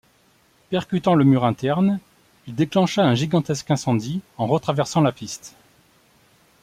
Percutant le mur interne, il déclencha un gigantesque incendie en retraversant la piste.